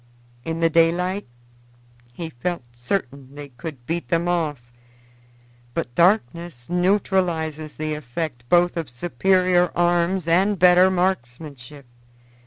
In the daylight he felt certain they could beat them off, but darkness neutralizes the effect both of superior arms and better marksmanship.